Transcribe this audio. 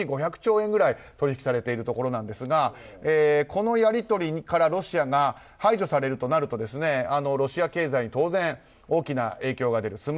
１日５００兆円くらい取引されてるシステムなんですがこのやり取りからロシアが排除されるとなるとロシア経済当然大きな影響が出る。